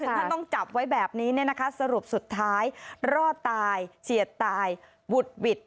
ถึงท่านต้องจับไว้แบบนี้เนี่ยนะคะสรุปสุดท้ายร่อตายเฉียดตายบุดบิด